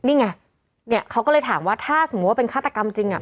นี่ไงเนี่ยเขาก็เลยถามว่าถ้าสมมุติว่าเป็นฆาตกรรมจริงอ่ะ